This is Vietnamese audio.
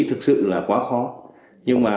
thực sự là quá khó nhưng mà